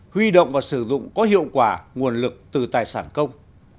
huy động và sử dụng có hiệu quả nguồn lực từ tài sản công